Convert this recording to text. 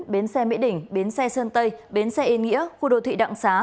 bến xe mỹ đỉnh bến xe sơn tây bến xe yên nghĩa khu đô thị đặng xá